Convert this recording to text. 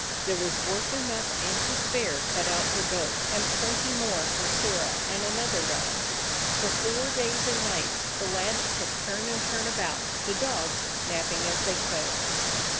There was work enough and to spare cut out for both, and plenty more for Sirrah and an other dog. For four days and nights the lads took turn and turn about, the dogs napping as they could.